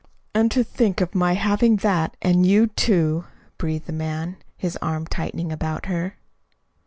"And to think of my having that, and you, too!" breathed the man, his arm tightening about her.